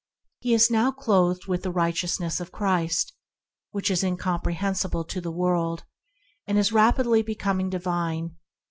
He is now clothed with the Righteousness of Christ — which is incomprehensible to the world — and is rapidly becoming divine.